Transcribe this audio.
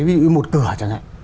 ví dụ như một cửa chẳng hạn